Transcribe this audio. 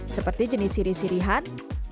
seperti jenis siri sirihan